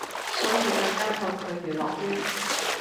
所以更加抗拒娛樂圈